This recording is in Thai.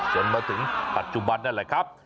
จนมาถึงปัจจุบันนั่นแหละครับ